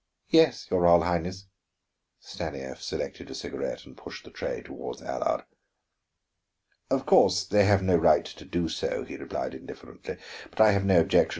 "Yes, your Royal Highness." Stanief selected a cigarette and pushed the tray toward Allard. "Of course they have no right to do so," he replied indifferently, "but I have no objection.